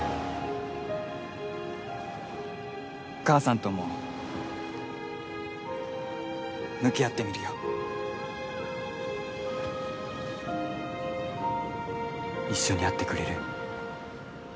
母さんとも向き合ってみるよ一緒に会ってくれる？